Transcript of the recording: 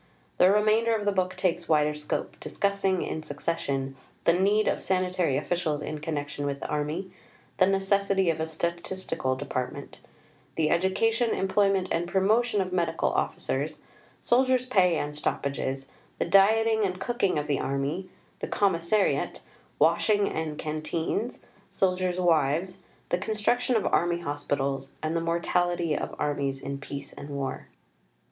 The remainder of the book takes wider scope, discussing, in succession, the Need of Sanitary Officials in connection with the Army; the Necessity of a Statistical Department; the Education, Employment and Promotion of Medical Officers; Soldiers' Pay and Stoppages; the Dieting and Cooking of the Army; the Commissariat; Washing and Canteens; Soldiers' Wives; the Construction of Army Hospitals; and the Mortality of Armies in Peace and War.